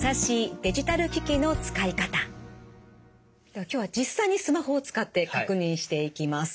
では今日は実際にスマホを使って確認していきます。